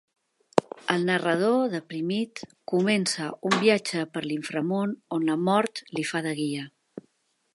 El narrador, deprimit, comença un viatge per l'inframón, on la Mort li fa de guia.